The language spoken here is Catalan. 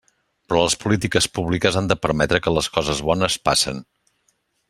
Però les polítiques públiques han de permetre que les coses bones passen.